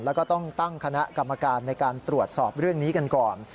แล้วก็ต้องตั้งคณะกรรมการในการตรวจสอบเรื่องนี้กันก่อน